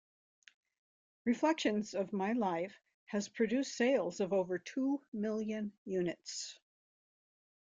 "Reflections of My Life" has produced sales of over two million units.